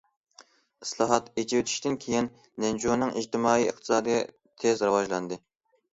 ئىسلاھات، ئېچىۋېتىشتىن كېيىن، لەنجۇنىڭ ئىجتىمائىي، ئىقتىسادىي تېز راۋاجلاندى.